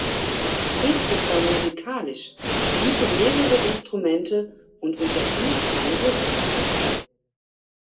Hedwig war musikalisch, spielte mehrere Instrumente und unterhielt eine Hofkapelle.